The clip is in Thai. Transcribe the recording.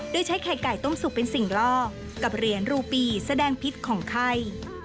โดยใช้ไข่ไก่ต้มสุกเป็นสิ่งลอกกับเหรียญรูปีแสดงพิษของไข้